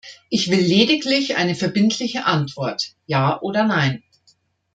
Ich will lediglich eine verbindliche Antwort ja oder nein.